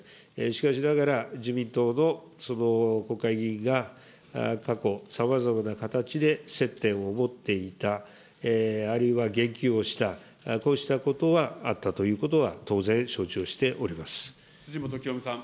しかしながら、自民党の国会議員が過去、さまざまな形で接点を持っていた、あるいは言及をした、こうしたことはあったということは当然、承辻元清美さん。